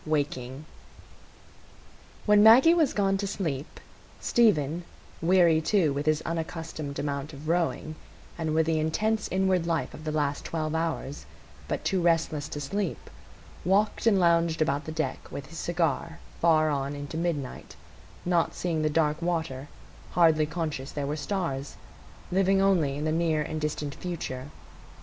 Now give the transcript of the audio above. Waking When Maggie was gone to sleep, Stephen, weary too with his unaccustomed amount of rowing, and with the intense inward life of the last twelve hours, but too restless to sleep, walked and lounged about the deck with his cigar far on into midnight, not seeing the dark water, hardly conscious there were stars, living only in the near and distant future.